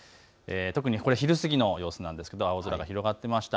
昼過ぎの様子なんですが青空が広がっていました。